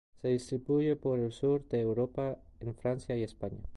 Se distribuye por el Sur de Europa en Francia y España.